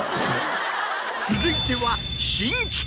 続いては。